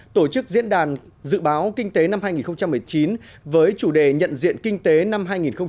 tổ chức diễn đàn dự báo kinh tế năm hai nghìn một mươi chín với chủ đề nhận diện kinh tế năm hai nghìn hai mươi